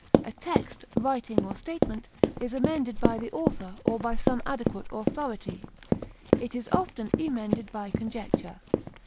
A text, writing, or statement is amended by the author or by some adequate authority; it is often emended by conjecture.